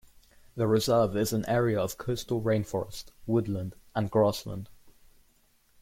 The reserve is an area of coastal rainforest, woodland and grassland.